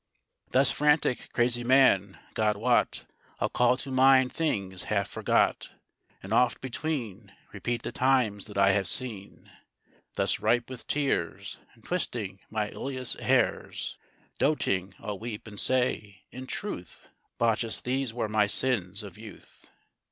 Thus frantic, crazy man, God wot, I'll call to mind things half forgot; And oft between Repeat the times that I have seen; Thus ripe with tears, And twisting my Iulus' hairs, Doting, I'll weep and say, 'In truth, Baucis, these were my sins of youth.'